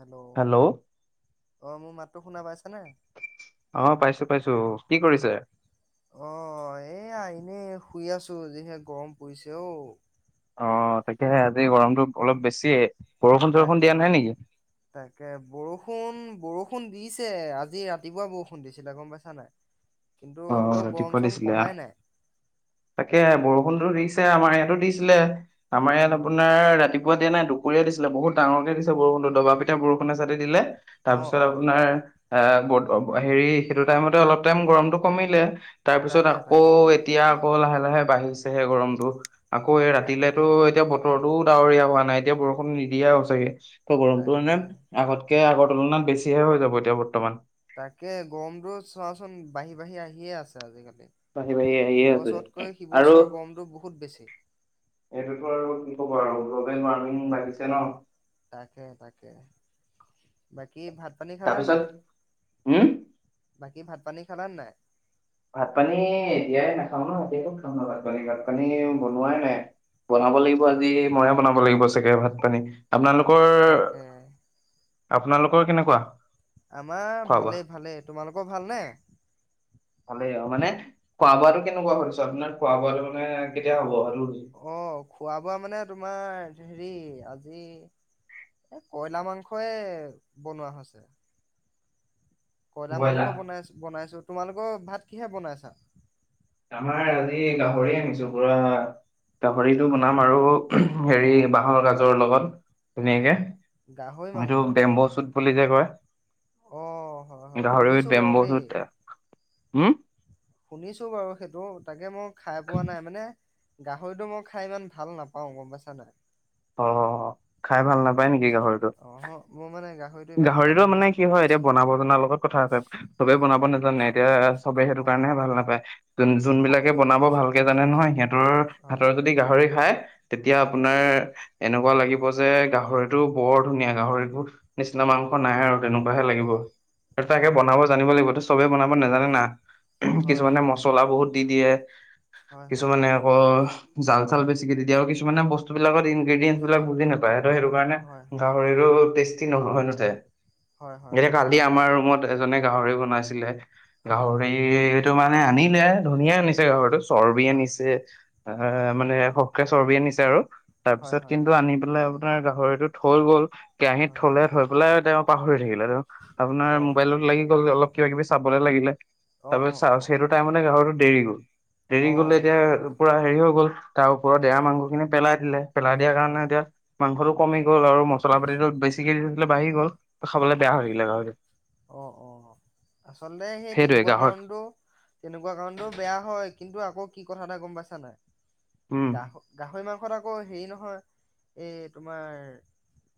Hello অঁ মোৰ মাতটো শুনা পাইছো [inaudible] অ' পাইছো পাইছো কি কৰিছে অ' এয়া এনে শুই আছো যিহে গৰম পৰিছে অঔ অ' তাকেহে আজি গৰমটো অলপ বেছি তাক তাকে বৰষুণ বৰষুণ বৰষুণ দিছে আজি ৰাতিপুৱা বৰষুণ দিছিলে গম পাইছা নাই কিন্তু হ'লেও অ' গৰম ৰাতিপুৱা চৰম দিছিলে আহ কমাই নাই তাকে বৰষুণতো দিছিল আমাৰ ইয়াতো দিছিলে আমাৰ হয় ইয়াত হয় আপোনাৰ ৰাতিপুৱা ৰাতিপুৱা দিয়া নাই দুুপৰীয়া দিছিলে বহুত ডাঙৰকে দিছে বৰষুনটো দবাপিতা বৰষুণ এচাটি দিলে অ তাৰপিছত অ আপোনাৰ এ হেৰি সেইটো টাইমতে অলপ টাইম গৰমটো কমিলে তাৰ পিছত তাকে আকৌ তাকে এতিয়া আকৌ লাহে লাহে বাঢ়িছে হে গৰমটো আকৌ এই তাকে ৰাতিলেতো এতিয়া বতৰত টো ডাৱৰীয়া হোৱা নাই এতিয়া বৰষুণ নিদিয়ে আৰু ছাগে গৰমটো মানে তাকে আগতকে আগৰ তুলনাত বেছিহে হৈ যাব এতিয়া বৰ্তমান তাকে গৰমটো চোৱাচোন বাঢ়ি বাঢ়ি আহিয়ে আছে আজিকালি বাঢ়ি বাঢ়ি আহিয়ে আছে ইবছৰতকৈ আৰু সিবছৰ গৰমটো বহুত বেছি এইটোতো আৰু কি কব আৰু গ্ল'বেল ৱাৰ্মিং বাঢ়িছে ন। তাকে তাকে বাক কী ভাত পানী খালা তাৰপিছত নাই। উম? বাকী ভাত পানী খালা নাই। ভাত পানী এতিয়াই নাখাওঁ ন ৰাতি একম খাওঁ ন ভাত পানী ভাত পানী বনোৱাই নাই। বনাব অ লাগিব অ আজি ময়ে বনাব লাগিব চাগে ভাত পানী আপোনালোক তাকে আপোনালোকৰ কেনেকুৱা? আমাৰ খোৱা বোৱা? ভালেই ভালেই তোমালোকৰ ভালনে? ভালেই আৰু মানে খোৱা বোৱাটো কেনেকুৱা কৰিছো আপোনাৰ খোৱা বোৱাটো মানে কেতিয়া হ'ব? সেইটো অ খোৱা বোৱা মানে তোমাৰ হেৰি আজি এই কইলা মাংসই বনোৱা হৈছে। কইলা মাংস ব্ৰইলাৰ বনাইছো বনাইছো। তোমালোকৰ ভাত কিহে বনাইছা? আমাৰ আজি গাহৰি আনিছো পুৰা গাহৰিতটো বনাম আৰু অ হেৰি বাঁহৰ গাজৰ লগত। ধুনীয়াকে। গাহৰি মাংস সেইটো বেম্বো চুত বুলি যে কয়। অ হয় হয় গাহৰিত শুনিছো বাৰু বেম্ব দেই চুট হম? শুনিছো বাৰু। সেইটো তাকে মোক খাই পোৱা নাই মানে গাহৰিটো মই খাই ইমান ভাল নাপাওঁ গম পাইছা নাই। অ খাই ভাল নাপায় নে অ মই মানে গাহৰি গাহৰিটো মানে কি হয় এতিয়া বনাব জনাৰ লগত কথা আছে, চবেই বনাব হয় হয় নাজানে এতিয়া চবে সেইটো হয় কাৰণেহে ভাল নাপায়, হয় যোনবিলাকে বনাব ভালকে জানে নহয় সিহঁতৰ হয় হাতৰ যদি গাহৰি খায় তেতিয়া হয় আপোনাৰ এনেকুৱা লাগিব যে গাহৰিটো বৰ ধুনীয়া গাহৰিটো নিচিনা মাংস নাই আৰু তেনেকুৱাহে লাগিব। ত অ তাকে বনাব জানিব লাগিবতো। চবে বনাব নাজানে না। হয় কিছুমানে হয় মচলা বহুত দি দিয়ে, হয় হয় কিছুমানে আকৌ জাল চাল বে আৰু কিছুমান বস্তু বিলাকত ইনগ্ৰেদিয়ানচ বিলাক বুজি নাপায়। সেইটো কাৰণে হয় গাহৰিটো টেষ্ট কি নহয় নহতে। হয় হয় হয় এতিয়া হয় কালি সেই আমাৰ ৰুমত এজনে গাহৰি বনাইছিলে। হয় গাহৰি এইটো মানে আনি লে ধুনীয়া আনিছে হয় ঘৰটো চৰ্বি হয় আনিছে। এ মানে সহকে চৰ্বি আনিছে আৰু। হয় হয় তাৰপিছত হয় কিন্তু আনি পেলাই নাই গাহৰিটো থৈ গ'ল কেৰাহীত, থলে থৈ পেলাই তেওঁ পাহৰি আপোনাৰ অ মোবাইলত লাগি গল অলপ কিবা কিবি, লে লাগিলে। অ তাৰপিছ অ চা অ সেইটো টাইমে গাহৰিটো, দেৰি গল এৰি অ গ'লে এতিয়া পুৰা দেৰি হৈ গ'ল। তাৰ ওপৰত হয় ডেৰা মাংসখিনি পেলাই লে। পেলাই দিয়া কাৰণে হয় এতিয়া মাংসটো কম গল আৰু মছলা পাতিটো বেছি। শিকে বাহি গ'ল। হয়-হয়-হয়, গাহৰিটো। অ-অ আচলতে সেই সেইটোৱে তেনেকুৱা গাহৰি কাৰণটো তেনেকুৱা কাৰণটো বেয়া হয় কিন্তু আকৌ কি কথা এটা গম পাইছ, নাই উম গাহ গাহৰি মাংস, আকৌ হেৰি নহয় এই তোমাৰ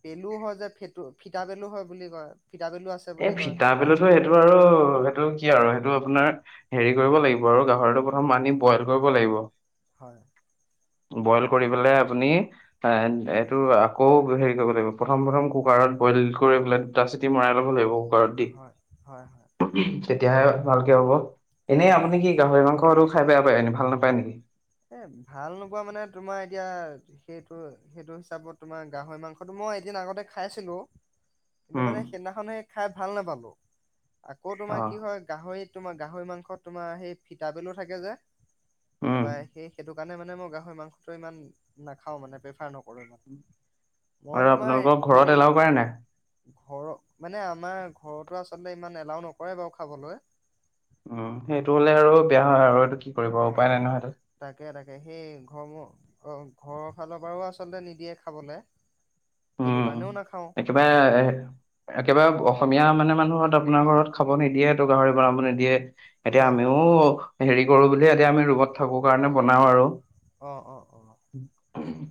পেলু হয় যে ফুটো ফিতা পেলু হয়। বুলি কয়। ফিতা পেলু আছে এ বুলি কয় ফিতা পেলুতো গাহৰি সেইটো আৰু সেইটো কি আৰু সেইটো এইটো আপোনাৰ হেৰি কৰিব হয় লাগিব আৰু গাহৰটো, মানি বইল কৰিব লাগিব। হয় বইল কৰি পেলাই আপুনি এ হয় এইটো আকৌ হেৰি কৰিব লাগিব প্ৰথম প্ৰথম কুকাৰত বইল কৰি পেলাই দুটা চিটি মৰাই, ই লব লাগিব। ভাৰত্ব হয় হয় হয় [unintelligible] তেতিয়াহে ভালকে হ'ব। এনেই অ অ আপুনি কি গাহৰি মাংস আৰু খাই বেয়া পায় এনে ভাল নাপায় নেকি? এ ভাল নোপোৱা মানে তোমাৰ এতিয়া সেইটো-সেইটো হিচাপত তোমাৰ গাহৰি মাংসটো মই এদিন আগতে খাইছিলো। কিন্তু উম, মানে সেইদিনাখনে খাই ভাল নাপালো। আকৌ তোমাৰ কি অ', হয় গাহৰিত তোমাৰ গাহৰি মাংস তোমাৰ সেই ফিতাপেলু থাকে যে। উম। তাৰপৰা সেই সেইটো সেই কাৰণে মে মই গাহৰি মাংসটো ইমান নাখাও মানে প্ৰেফাৰ নক আৰু আপোনালোকৰ ঘৰত এলাও কৰে নে। ঘৰৰ মানে আমাৰ ঘৰতো আচলতে ইমান এলাও নকৰে বাৰু খাবলৈ। উম সেইটো হলে আৰু বেয়া হয় আৰু এইটো কি কৰিব অ উপায় নাই নহয় সেইটো। তাকে তাকে সেই ঘৰ - ঘৰৰ ফালৰ পৰাও আচলতে নিদিয়ে খাবলৈ। উম একেবাৰে- একেবাৰে অসমীয়া মানে মানুহ আপোনাৰ ঘৰত খাব নিদিয়ে তো গাহৰি বনাব নিদিয়ে। এতিয়া হয় হয়। আমিও হেৰি কৰো বুলি এতিয়া আমি ৰুমত থাকো কাৰণে বনাও আৰু। অ অ অ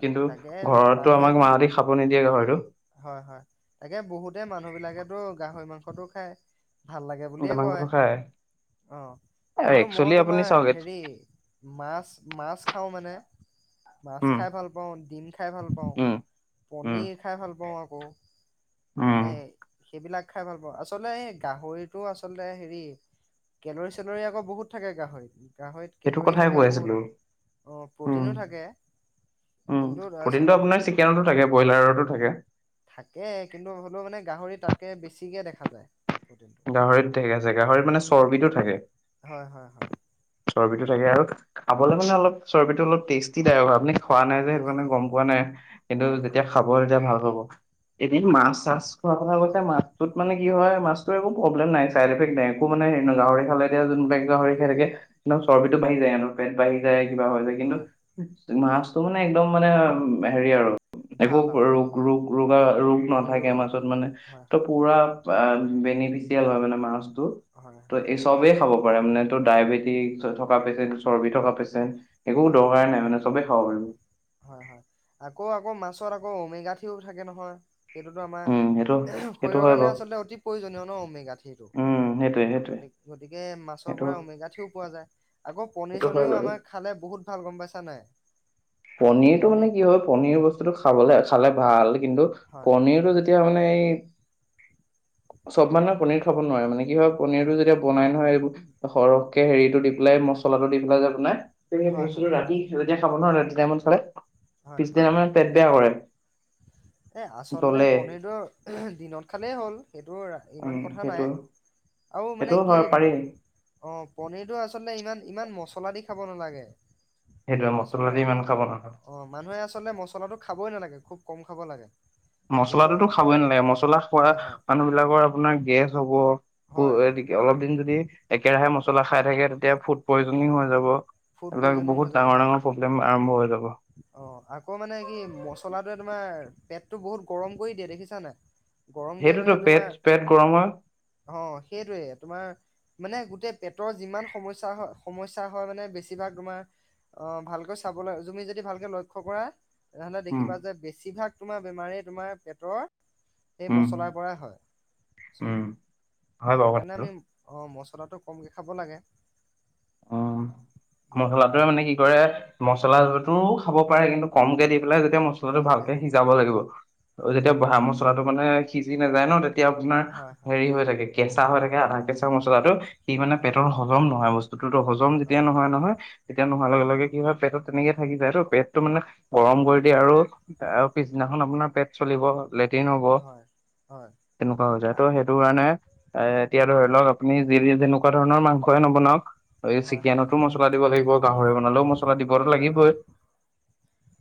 কিন্তু ঘৰতটো আমাক মাহ দে হয়-হয় তাকে বহুতে মানুহ বিলাকেতো গাহৰি মাংসটো খায়। ভাল লাগে বুলিয়ে কয় মাংসটো খাই। অহ ' কিন্তু মই একচুৱেলি আপুনি তোমাৰ চাওক হেৰি মাছ - মাছ মানে মাছ উম, খাই ভাল পাওঁ, ডিম খাই ভাল পাওঁ, উম। উম। পনিৰ খাই ভাল পাওঁ আৰু কৌ উম, মানে সেইবিলাক খাই ভাল পাওঁ আচলতে এই গাহৰিটো আচলতে হেৰি কেলৰি চেলৰি আকৌ বহুত থাকে গাহৰিত। গাহৰিত কেলৰি থাকে বহুত। প্ৰটিনো উম-উম থাকে কিন্তু প্ৰটিনটো আপোনাৰ আচল চিকেনতো থাকে ব্ৰইলাৰতো থাকে। থাকে কিন্তু হ'লেও মানে গাহৰি তাতকে বেছিকে দেখা যায়। প্ৰটিনটো। গাহৰিত থাকে জেগা গাহৰিত মানে চৰ্বিতটোত থাকে। হয়- হয়- হয়। চৰ্বিটো থাকে আৰু। অ খাবলৈ মানে অলপ চৰ্বিত অলপ টেষ্টি টাইপ আপুনি খোৱা নাই যে সেইটো কাৰণে টেষ্টি গম পোৱা নাই কিন্তু হয় হয় যেতিয়া খাব তেতিয়া ভাল হ'ব। এদিন অ মাছ চাছ খোৱা [unintelligible] এ মাছটোত মানে কি হয় মাছ টোৰ একো প্ৰব্লেম নাই চাইডইফেক্ট নাই। একো মানে হয় গাহৰি হয় খালে এতিয়া যোনবিলাক গাহৰি [unintelligible] নহ হয় চৰ্বিতটো বাহি যায় হেনো। পেট বাঢ়ি যায়। কিবা হৈ যায় কিন্তু হয় মাছ টো মানে একদম মানে হেৰি আৰু একো ভাল আৰু ৰোগ, ৰোগ, ৰোগা ৰোগ নাথাকে নিৰোগী মাজত মানে হয় ত হয় পুৰা বা বেনিফিচিয়েল হয় মানে মাছ হয় ত হয় এই চবেই আ- খাব পাৰে মানে। টো ডায়েবেটিক থকা পেচেণ্ট, চৰ্বি থকা পেচেণ্ট একো হৈ হৈ দৰকাৰ নাই মানে চবেই খাব পাৰিব হৈ, আকৌ আকৌ মাছ তাৰপিছত আকৌ ওমেগাৰ্থিও থাকে নহয়। সেইটোতো আমাৰ উম সেইটো সেইটো শৰীৰৰ হয় কাৰণে বাৰু আচলতে অতি প্ৰয়োজনীয় ন ওমেগাৰ্থিটো, উম সেইটোৱে সেইটোৱে গতি, গতিকে মাছৰ সেইটো পৰা ওমেগাৰ্থিও পোৱা যায়। আকৌ পনীৰ সেইটো হয় চনীৰও বাৰু আমাক বহুত ভাল গম পাইছা নাই? পনিৰটো মানে পনীৰ কি হয় পনিৰ বস্তুটো খাবলে আছে খালে ভাল। কিন্তু হয় পনীৰটো যে এতিয়া মানে এই, চব মানুহে পনীৰ খাব নোৱাৰে মানে। কি হয় পনীৰটো যেতিয়া বনাই নহয় এইবোৰ সৰহকে হেৰিটো দি পেলাই, মচলাটো দি পেলাই যে বনাই সেই হয় বস্তুটো হয় ৰাতি [unintelligible] [unintelligible] জেমনচলে পিছদিনা আমাৰ পেট এয়া কৰে। এ আচলতে জ্বলে পনীৰটোৰ দিনত খালেই হ'ল। ৰু ইমান উম কথা নাই সেইটো আৰু মানে সেইটোও কি হয় পাৰি পনীৰটো আচলতে ইমান মচ মচলা দি খাব নালাগে সেইটোৱে মছলা আচলতে দি ইমান খাব নালাগে অঁ মানুহে আচলতে মছলাটো খা খাবই নালাগে খুব কম থ'ব লাগে যিহেতু মচলাতোটো খাবই নালাগে মছলা খোৱা হয় হয় মানুহ বিলাকৰ আপোনাৰ গেছ হ'ব হয় অলপ দিন যদি একেৰাহে মছলা খাই থাকে তেতিয়া ফুট হয় প্ৰয়োজন হৈ যাব ফুড এইবিলাক পয়জনিং হৈ বহুত যাব ডাঙৰ হয়। ডাঙৰ প্ৰব্লেম আৰম্ভ হৈ যাব অ আকৌ মানে কি মছলাটোৱে তোমাৰ পেটটো বহুত গৰম কৰি দিয়ে দেখিছান নাই গৰম কৰি সেইটোতো মানে পেট তোমাৰ পেট গৰম হয় অঁ সেইটোৱে তোমাৰ মানে গোটেই পেটৰ যিমান সমস্যা হয় সমস্যা হয় মানে বেছিভাগ তোমাৰ অঁ ভালকৈ চাবলৈ তুমি যদি ভালকে লক্ষ্য কৰা তেনেহ'লে উম দেখিবা যে বেছিভাগ তোমাৰ বেমাৰ তোমাৰ পেটৰ এই উম মছলাৰ পৰাই হয় উম হয় বাৰু সেইকাৰণে কথাটো আমি অঁ মচলা মচলাটো কমকে খাব লাগে উম উম মচলাটোৱে মানে কি কৰে হয় মচলাটোও খাব পাৰে কিন্তু কমকে দি খালে তেতিয়া মছলাটো কমকে ভালকে কমকে সিজাব লাগিব আৰু হয় যেতিয়া বহা মছলাটো মানে সিজি নাযায় ন তেতিয়া আপোনাৰ হয় হয় হেৰি হৈ থাকে কেঁচা হৈ থাকে আধা কেঁচা মছলাটো সি মানে হয় পেটৰ হজম নহয় বস্তু হজম যেতিয়া হয় নহয় নহয় তেতিয়া নোহোৱা হয় লগে লগে কি হয় পেটতো তেনেকে থাকি যায় টো পেট টো মানে গৰম কৰি দিয়ে আৰু আৰু পিছদিনাখন আপোনাৰ পেট চলিব লেট্ৰিন হ'ব হয় হয় তেনেকুৱা হৈ যায় ত' সেইটো কাৰণে এ এতিয়া ধৰি লওক আপুনি যি যেনেকুৱা ধৰণৰ মাংসই নবনাওক হয় হয় চিকেনতো মছলা দিব লাগিব গাহৰি বনালেও মছলা দিবটো হয় লাগিবই হয়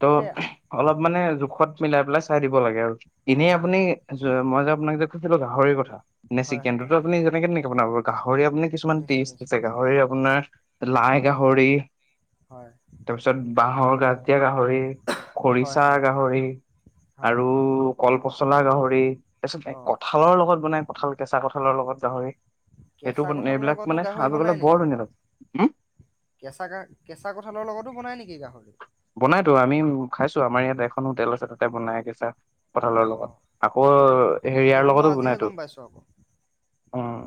ত' এই অলপ মানে জোখত মিলাই পেলাবলে চা চাই দিব লাগে আৰু হয় এনেই হয় আপুনি মই যে আপোনাক যে কৈছিলো গাহৰিৰ কথা নে হয় চিকেনটোটো আপুনি যেনেে তেনেকে বনাব পাৰিব হৰি আপুনি কিছুমান নিশ্চয় তিৰিছ নিশ্চয় জেগা হৰিৰ আপো আপোনাৰ লাই হয় গাহৰি, হয় তাৰপিছত বাহৰ গাজ দিয়া গাহৰি, হয় খৰিচা হয় গাহৰি হয় আৰু পচলা গাহৰি। তাৰিছত অ কঠালৰ লগত বনাই। কঠাল কেচা কঠালৰ লগত গাহৰি। সেইটো কেঁচা এইবিলাক মানে খাব পলে বৰ ধুনীয়া লাগে। কেচা কা কেচা কঠালৰ লগতো মই কি গাহৰি। তহ আমি খাইছো আমাৰ ইয়াত এখনো তেল আছে তাতে বনাই কেচা কঠালৰ লগত অঁ আকৌ সেইটো হেৰিয়াৰ সেইটো মই লগতো বনাই আজিহে তো গম পাইছোঁ আকৌ অহ',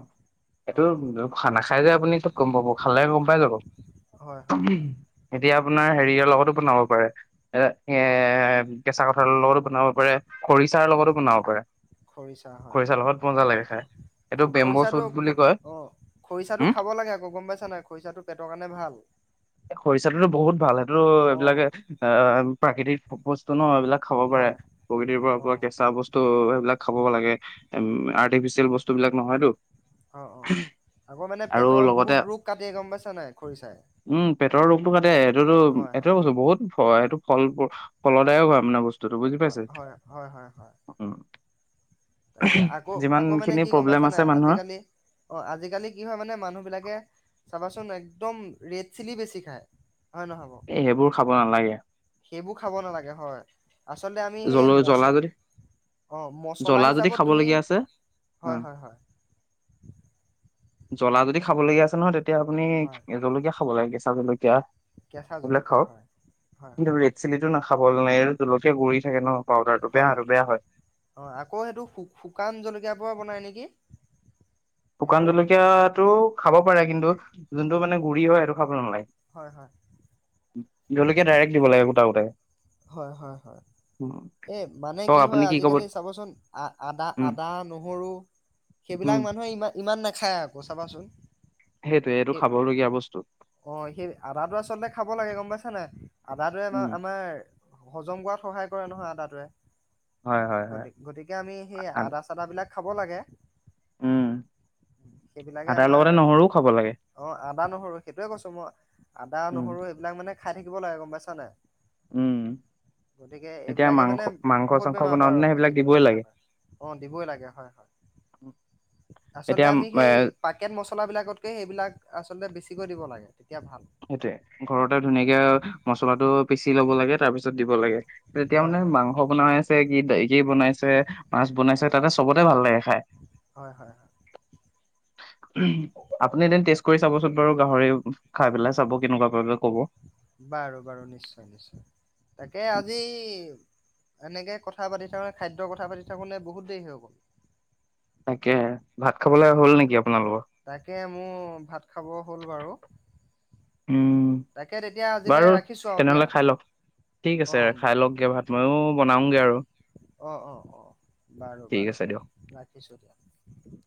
এইেটো অঁ খ নাখাই যে আপুনি ত গম পাব খালে গম পাই যাব। হয় হয় হয় এতিয়া আপোনাৰ লগত বনাব পাৰে অঁ এহ ' কেঁচা কৰ লগত বন হব পাৰে। খৰিচাৰ হয় লগতো বনাব পাৰে। খৰিচা হয় খৰিচাৰ লগত মজা লাগে খাই খ এইটো বেম্ব খৰিচাটো চুট বুলি কয় অঁ খৰিচাটো উম খাব লাগে আকৌ গম পাইছা নাই খৰিচাটো পেটৰ কাৰণে ভাল খৰিচাটোতো বহুত ভাল হয়। ত অঁ এইবিলাকে এহ ' প্ৰাকৃতিক বস্তু ন এইবিলাক খাব পাৰে হয় প্ৰকৃতিৰ পৰা পোৱা অঁ কেচা বস্তু সেইবিলাক খাব অঁ লাগে উম। আৰ্টিফিচিয়েল বস্তুবিলাক নহয়তো। অহ - অহ আকৌ মানে আৰু পেটৰ লগতে বহুত ৰোগ কাটে গম পাইছা নাই খৰিচাই। উম পেটৰ ৰোগটো কাটে আৰুটো হয় হয় এটোয়ে কৈছো বহুত হয় সেইটো ফল ফলদায়ক হয় মানে বস্তু। তো বুজি হয় পাইছে হয় হয় হয় হয় উম। তাকে আকৌ - যিমান আকৌ মানে খিনি কি গম প্ৰব্লেম পাইছানে আছে মানুহৰ আজিকালি অহ' আজিকালি কি হয় মানে মানুহ বিলাকে চাবাচ একদম ৰেড চিলি বেছি খায়। হয় নহ'ব এ সেইবোৰ খাব নালাগে সেইবোৰ খাব নালাগে হয়। আচলতে আমি সেই জল মচ অহ মচ জলা যদি খাবলগীয়া আছে হম। হয় হয় জ্বলা যদি খাবলগীয়া আছে নহয় তেতি তিয়া আপুনি হয় জলকীয়া পুৰা কেচা জলকীয়া। কেঁচা এইবিলাক জলকীয়া খাওঁ। হয়। হয় কিন্তু হয় ৰেড চিলিটো নাখাব জলকীয়া গুৰি থাকে ন। পাউদাৰটো হয়, বেয়াটো বেয়া হয় অ' আকৌ সেইটো শুকান জলকীয়াৰ পৰা বনাই নেকি। শুকান সেইটো জলকীয়াটো খাব পাৰে কিন্তু যোনটো হয় মানে গুৰি হয় সেইটো খাবলৈ নালাগে। হয় হয় জলকীয়া ডাইৰেক্ট দিব লাগে গোটা গোটা। হয়, হয়, হয়, এই মানে কওক কি আপুনি হয় ক'ব আজিকালি চাবচোন আ আদা উম আদা নহৰু সেইবিলাক উম মানুহে ইমান ইমান নাখায় আকৌ চাবাচোন। সেইটোৱে এইটো সেই খাবলগীয়া বস্তু অ' সেই আদাটো আচলতে খাব লাগে গম পাইছা নাই আদটোয়ে আমা উম আমাৰ হজম কৰাত সহায় কৰে নহয় আদাটোৱে। হয় হয় হয় গতি গতিকে আমি সেই আ- আ- আদা চাদা বিলাক খাব লাগে। উম সেইবিলাকে আদাৰ লগতে নহৰুও খাব লাগে আমাৰ অ'আদা নহৰু সেইটোয়ে কৈছো মই আদা উম নহৰু এইবিলাক মানে খাই থাকিব লাগে গম পাইছা নাই। উম গতিকে এতিয়া এইবিলাকে মাংস মানে মাংস বহুত চাংস বেমাৰ বাৰু বনাওঁতেনে সেইবিলাক হেৰি দিবই ৰক্ষা লাগে কৰে অ' দিবই লাগে হয় হয়। আচলতে এতিয়া আমি এ সেই পাকেট মছলাবিলাকতকে সেইবিলাক আচলতে বেছি বেছিকৈ দিব লাগে। সেইটোয়ে, ঘৰতে হয় ধুনীয়াকে মছলাটো পিচি ল'ব লাগে তাৰ পিছত দিব লাগে। তেতিয়া হয় মানে হয় মাংস বনাই আছে [unintelligible] কি বনাইছে মাছ অ বনাইছে তাতে চবতে ভাল লাগে খাই। হয় হয় হয় অ আপুনি এদিন তাক টেষ্ট কৰি চাবচোন বাৰু গাহৰি খাই পেলাই চাব কেনেকুৱা পাই। ত ক'ব বাৰু বাৰু নিশ্চয় নিশ্চয়। তাকে আজি এনেকে কথা পাতি থাকোতে খাদ্যৰ কথা পাতি থাকোতে বহুত দেৰি হৈ গ'ল। তাকে। ভাত খাবলৈ তাকে হ'ল নেকি আপোনালোকৰ? তাকে মোৰ ভাত খাব হ'ল বাৰু উম তাকে তেতিয়া বাৰু আজিলৈ ৰাখিছোঁ আৰু দিয়া। তেনেহ'লে খাই লওক ঠিক আছে অঁ খাই বায়। লওকগে ভাত ময়ো বনাওগে আৰু। অঁ-অঁ-অঁ, ঠিক বাৰু-বাৰু আছে দিয়ক। ৰাখিছোঁ দিয়া।